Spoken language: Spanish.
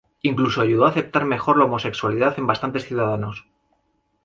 Incluso ayudó a aceptar mejor la homosexualidad en bastantes ciudadanos.